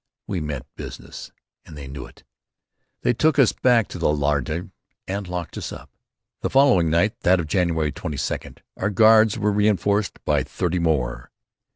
We meant business and they knew it. They took us back to the laager and locked us up. The following night, that of January 22nd, our guards were reinforced by thirty more.